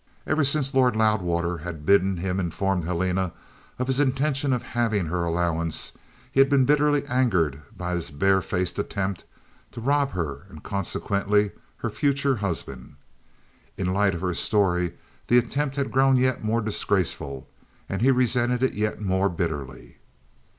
Ever since Lord Loudwater had bidden him inform Helena of his intention of halving her allowance he had been bitterly angered by this barefaced attempt to rob her and consequently her future husband. In the light of her story the attempt had grown yet more disgraceful, and he resented it yet more bitterly.